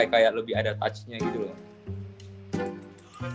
kayak lebih ada touch nya gitu loh